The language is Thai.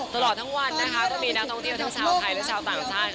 ตลอดทั้งวันนะคะก็มีนักท่องเที่ยวทั้งชาวไทยและชาวต่างชาติ